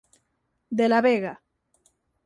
De la Vega: